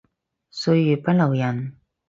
歲月不留人